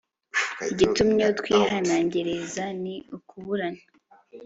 igitumye utwihanangiriza ni ukuburana